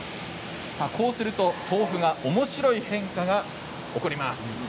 そうすると豆腐におもしろい変化が起きます。